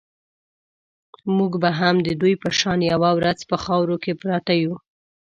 موږ به هم د دوی په شان یوه ورځ په خاورو کې پراته یو.